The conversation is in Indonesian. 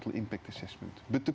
tapi seperti dengan pengurusan air